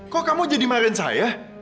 kok kamu jadi marahin saya